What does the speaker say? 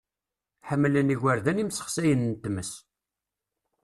Ḥemmlen yigerdan imsexsayen n tmes.